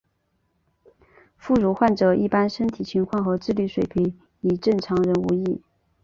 副乳患者一般身体情况和智力水平与正常人无异。